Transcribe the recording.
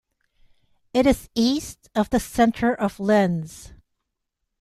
It is east of the centre of Lens.